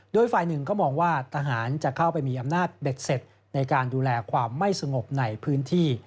โดยฝ่ายหนึ่งก็มองว่าทหารจะเข้าไปมีอำนาจเบ็ดเสร็จในการดูแลความไม่สงบในพื้นที่